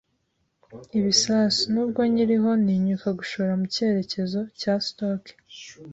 ibisasu, nubwo nkiriho ntinyuka gushora mu cyerekezo cya stock,